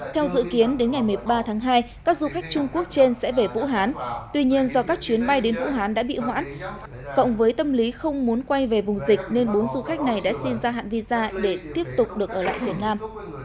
theo dự kiến đến ngày một mươi ba tháng hai các du khách trung quốc trên sẽ về vũ hán tuy nhiên do các chuyến bay đến vũ hán đã bị hoãn cộng với tâm lý không muốn quay về vùng dịch nên bốn du khách này đã xin gia hạn visa để tiếp tục được ở lại việt nam